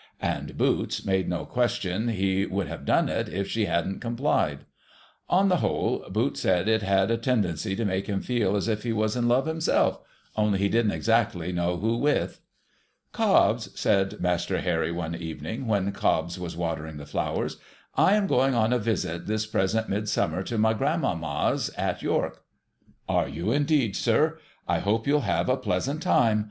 And Boots made no question he would have done it if she hadn't complied. On the whole, Boots said it had a tendency to make him feel as if he was in love himself — only he didn't exactly know who with. ' Cobbs,' said Master Harry, one evening, when Cobbs was watering the flowers, 'I am going on a visit, this present Mid summer, to my grandmamma's at York.' 'Are you indeed, sir? I hope you'll have a pleasant time.